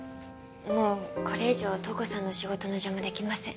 もうこれ以上瞳子さんの仕事の邪魔できません